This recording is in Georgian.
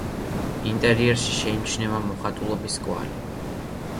ინტერიერში შეიმჩნევა მოხატულობის კვალი.